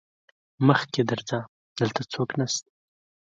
مخکې درځه دلته هيڅوک نشته.